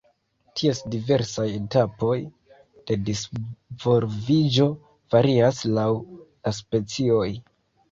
Ties diversaj etapoj de disvolviĝo varias laŭ la specioj.